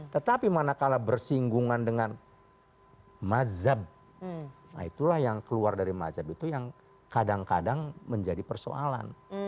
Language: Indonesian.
tetapi manakala bersinggungan dengan mazhab nah itulah yang keluar dari mazhab itu yang kadang kadang menjadi persoalan